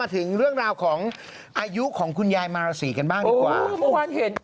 มาถึงเรื่องราวของอายุของคุณยายมารสีกันบ้างดีกว่า